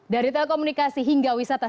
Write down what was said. dari telekomunikasi hingga wisata